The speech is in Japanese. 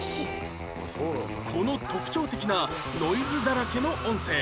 この特徴的なノイズだらけの音声